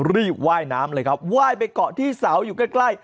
ว่ายน้ำเลยครับไหว้ไปเกาะที่เสาอยู่ใกล้